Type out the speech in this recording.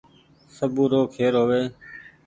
سبو رو کير هووي